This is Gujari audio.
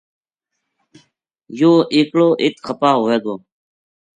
یو ہ ایکلو اِت خپا ہوے گو